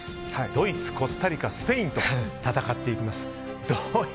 ドイツ、コスタリカ、スペインと戦っていきます。